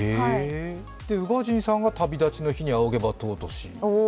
宇賀神さんが「旅立ちの日に」と「仰げば尊し」